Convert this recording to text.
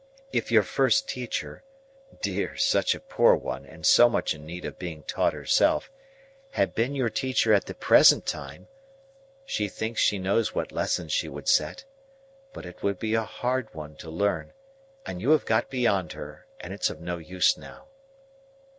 If your first teacher (dear! such a poor one, and so much in need of being taught herself!) had been your teacher at the present time, she thinks she knows what lesson she would set. But it would be a hard one to learn, and you have got beyond her, and it's of no use now."